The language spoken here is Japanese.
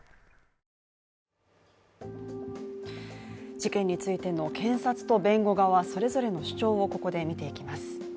事件についての検察と弁護側、それぞれの主張をここで見ていきます。